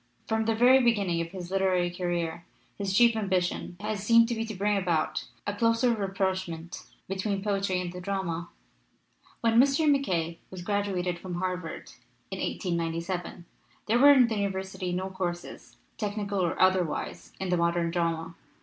From the very beginning of his literary career his chief ambition has seemed to be to bring about a closer rapprochement between poetry and the drama. 312 MASQUE AND DEMOCRACY When Mr. MacKaye was graduated from Har vard, in 1897, there were in that university no courses, technical or otherwise, in the modern drama.